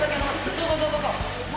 そうそうそうそうそう。